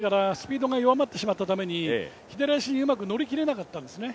最後、クロスしてきてから、スピードが弱まってしまったために左足、うまく乗り切れなかったんですね。